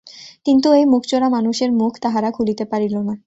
কিন্তু এই মুখচোরা মানুষের মুখ তাহারা খুলিতে পারিল না।